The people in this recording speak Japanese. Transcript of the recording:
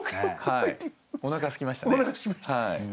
おなかすきましたね。